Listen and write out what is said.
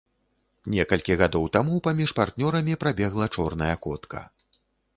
Некалькі гадоў таму паміж партнёрамі прабегла чорная котка.